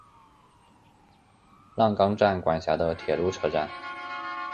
浪冈站管辖的铁路车站。